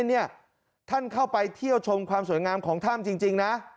นี่ท่านเข้าไปเที่ยวชมความสวยงามของถ้ำจริงนะ